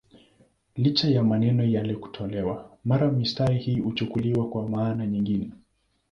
Licha ya maneno yale kutolewa, mara mistari hii huchukuliwa kwa maana nyingine.